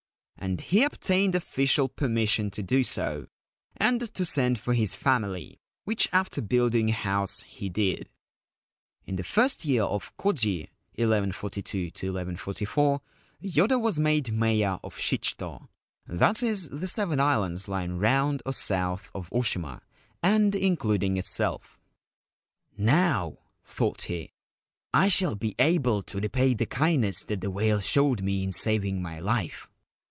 And he obtained official permission to do so, and to send for his family, which after building a house he did. In the first year of Koji 1142 1144, Yoda was made Mayor of Shichito — that is the seven islands lying round or south of Oshima and including itself. 'Now/ thought he, ' 1 shall be able to repay the kindness that the whale showed me in saving my life